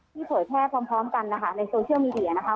เผยแพร่พร้อมกันนะคะในโซเชียลมีเดียนะคะ